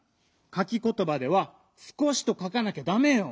かきことばでは「すこし」とかかなきゃダメよ。